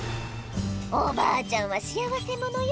「おばあちゃんは幸せ者よ」